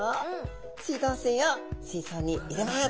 水道水を水槽に入れます。